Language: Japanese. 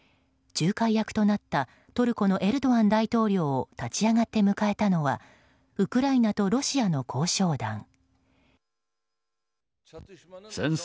仲介役となったトルコのエルドアン大統領を立ち上がって迎えたのはウクライナとロシアの交渉団。